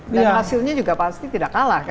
dan hasilnya juga pasti tidak kalah